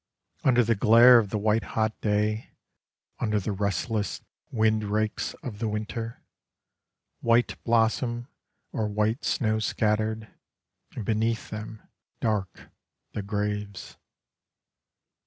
Under the glare of the white hot day, Under the restless wind rakes of the winter, White blossom or white snow scattered, And beneath them, dark, the graves.